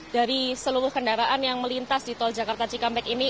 dari seluruh kendaraan yang melintas di tol jakarta cikampek ini